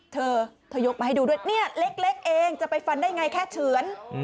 เธอเธอยกมาให้ดูด้วยเนี่ยเล็กเองจะไปฟันได้ไงแค่เฉือน